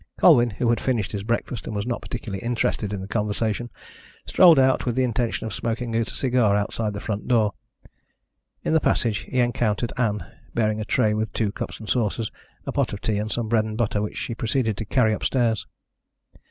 Colwyn, who had finished his breakfast and was not particularly interested in the conversation, strolled out with the intention of smoking a cigar outside the front door. In the passage he encountered Ann, bearing a tray with two cups and saucers, a pot of tea and some bread and butter which she proceeded to carry upstairs.